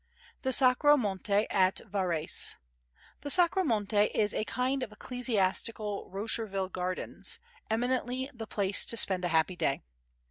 The Sacro Monte at Varese The Sacro Monte is a kind of ecclesiastical Rosherville Gardens, eminently the place to spend a happy day.